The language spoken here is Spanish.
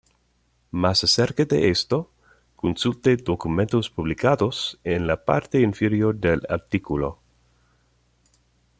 Más acerca de esto, consulte "documentos publicados" en la parte inferior del artículo.